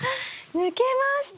抜けました！